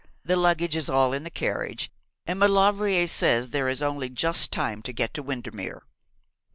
The luggage is all in the carriage, and Maulevrier says there is only just time to get to Windermere!'